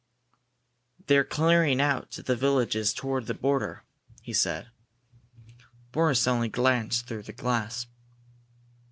"They're clearing out the villages toward the border," he said. Boris only glanced through the glass.